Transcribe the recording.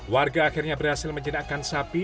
warga akhirnya berhasil menjenakkan sapi